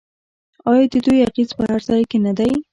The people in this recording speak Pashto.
آیا د دوی اغیز په هر ځای کې نه دی؟